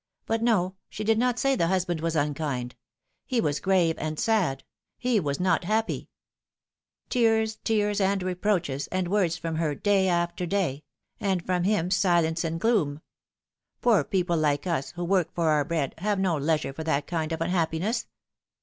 But no, she did not say tha husband was unkind ; he was grave and sad ; he was not happy. Looking Back. 287 Tears, tears and reproaches, sad words from her, day after day ; and from him silence and gloom. Poor people like us, who work for our bread, have no leisure for that kind of unhappiness.